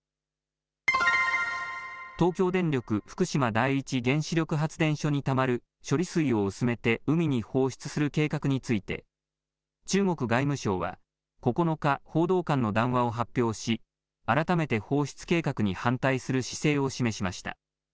東京電力福島第一原子力発電所にたまる処理水を薄めて海に放出する計画について中国外務省は９日報道官の談話を発表し改めて放出計画に反対する姿勢を示しました。